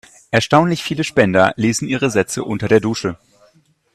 Erstaunlich viele Spender lesen ihre Sätze unter der Dusche.